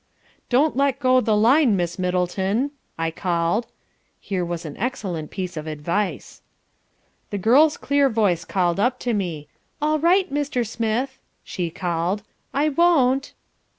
"Don't let go the line, Miss Middleton,' I called. (Here was an excellent piece of advice.) "The girl's clear voice floated up to me... 'All right, Mr. Smith,' she called, 'I won't.'"